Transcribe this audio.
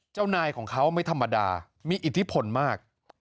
เจ้านายของเขาไม่ธรรมดามีอิทธิพลมาก